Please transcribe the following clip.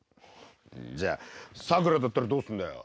じゃあさくらだったらどうするんだよ？